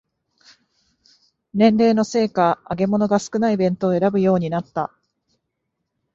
年齢のせいか揚げ物が少ない弁当を選ぶようになった